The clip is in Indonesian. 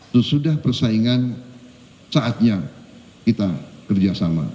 sesudah persaingan saatnya kita kerjasama